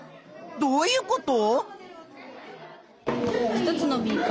どういうこと？